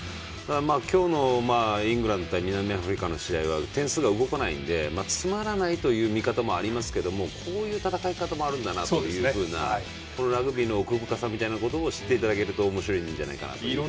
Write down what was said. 今日のイングランド対南アフリカの試合は点が入らないのでつまらないという見方もありますがこういう戦い方もあるんだというラグビーの奥深さも知っていただけるとおもしろいと思います。